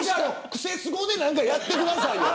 クセスゴで何かやってくださいよ。